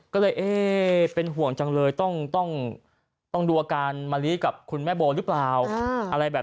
ก็เลยเป็นห่วงจังเลยต้องดูอาการมารีดกับแม่โบหรือเปล่า